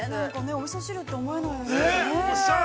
◆おみそ汁と思えないですね。